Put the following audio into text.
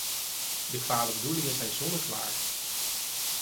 De kwade bedoelingen zijn zonneklaar.